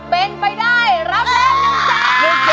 เป็นไปได้รับแรมหนึ่งสาม